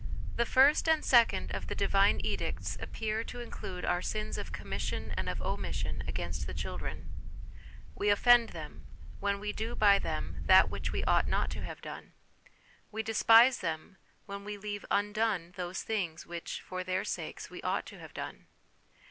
The first and second of the Divine edicts appear to include our sins of commission and of omission against the children: we offend them, when we do by them that which we ought not to have done ; we despise them, when we leave undone those things which, for their sakes, we ought to have done.